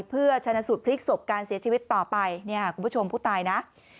เพื่อชนะสูตรพลิกศพการเสียชีวิตต่อไปเนี่ยคุณผู้ชมผู้ตายนะ